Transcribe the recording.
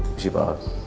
bersih pak al